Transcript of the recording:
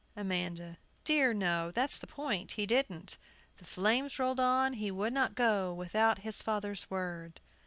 AMANDA. Dear, no! That's the point. He didn't. "The flames rolled on, he would not go Without his father's word."